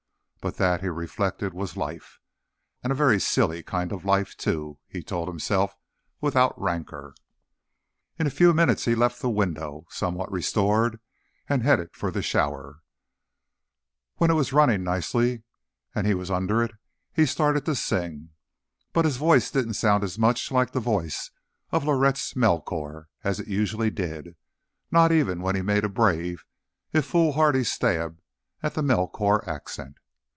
But that, he reflected, was life. And a very silly kind of life, too, he told himself without rancor. In a few minutes he left the window, somewhat restored, and headed for the shower. When it was running nicely and he was under it, he started to sing. But his voice didn't sound as much like the voice of Lauritz Melchior as it usually did, not even when he made a brave, if foolhardy stab at the Melchior accent.